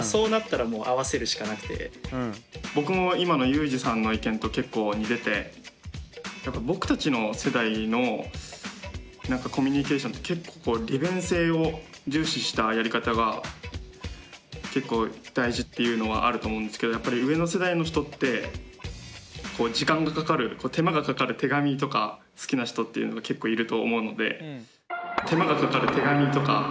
僕も今のゆうじさんの意見と結構似ててやっぱ僕たちの世代のコミュニケーションって結構利便性を重視したやり方が結構大事っていうのはあると思うんですけどやっぱり上の世代の人って時間がかかる手間がかかる手紙とか好きな人っていうのが結構いると思うので。